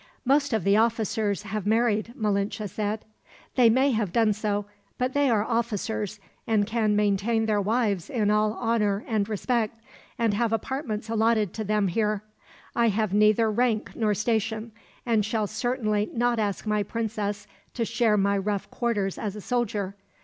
"Most of the officers have married," Malinche said. "They may have done so, but they are officers, and can maintain their wives in all honor and respect, and have apartments allotted to them here. I have neither rank nor station, and shall certainly not ask my princess to share my rough quarters as a soldier.